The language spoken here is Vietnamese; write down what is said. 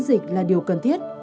dịch là điều cần thiết